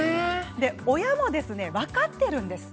親も分かっているんです